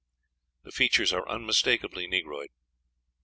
The features are unmistakably negroid.